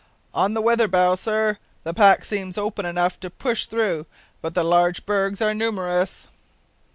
"On the weather bow, sir, the pack seems open enough to push through, but the large bergs are numerous."